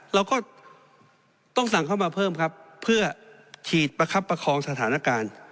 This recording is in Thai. เราก็ต้องสั่งเข้ามาเพิ่มครับเพื่อฉีดประคับประคองสถานการณ์